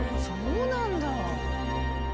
そうなんだ！